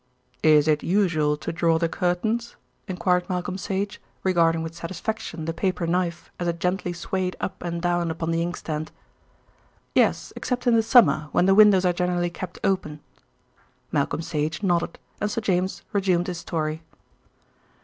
"Is it usual to draw the curtains?" enquired Malcolm Sage, regarding with satisfaction the paper knife as it gently swayed up and down upon the inkstand. "Yes, except in the summer, when the windows are generally kept open." Malcolm Sage nodded, and Sir James resumed his story.